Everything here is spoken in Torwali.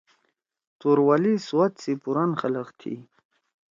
توروالی سوات سی پُران خلگ تھی۔